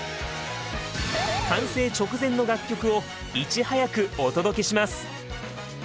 完成直前の楽曲をいち早くお届けします！